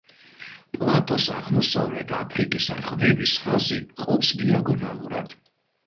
პლატოს აღმოსავლეთ აფრიკის რღვევის ხაზი ყოფს დიაგონალურად.